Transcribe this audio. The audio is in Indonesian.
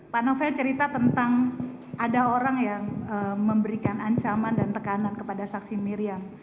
pak novel cerita tentang ada orang yang memberikan ancaman dan tekanan kepada saksi miriam